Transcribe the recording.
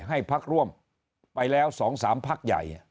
ให้พักร่วมไปแล้ว๒๓พักใหญ่